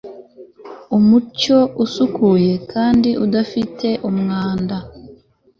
umucyo, usukuye kandi udafite umwenda